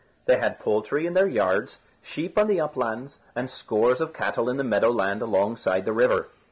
They had poultry in their yards, sheep on the uplands, and scores of cattle in the meadow land alongside the river.